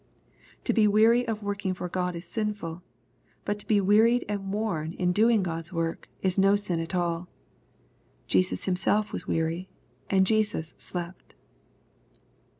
To be weary of working for God is sinful, but to be wearied and worn in doing God's work is no sin at all. Jesus himself was weary, and Jesus slept.